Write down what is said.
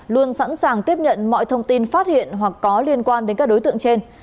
luôn sẵn sàng tiếp nhận mọi thông tin phát hiện hoặc có liên quan đến các đối tượng trên